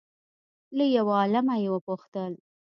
له یو عالمه یې وپوښتل